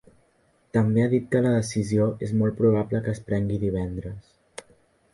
També ha dit que la decisió és molt probable que es prengui divendres.